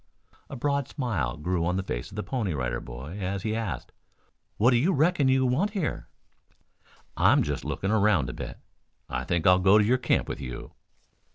A broad smile grew on the face of the Pony Rider Boy as he asked: "What do you reckon you want here?" "I'm just looking around a bit. I think I'll go to your camp with you."